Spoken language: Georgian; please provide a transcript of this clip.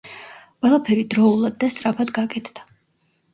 ყველაფერი დროულად და სწრაფად გაკეთდა.